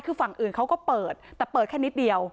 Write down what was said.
คือฝั่งอื่นเขาก็เปิดแต่เปิดแค่นิดเดียว